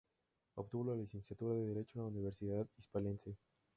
Obtuvo la Licenciatura de Derecho en la Universidad Hispalense.